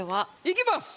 いきます。